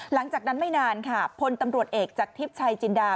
หลังจากนั้นไม่นานค่ะพลตำรวจเอกจากทิพย์ชัยจินดา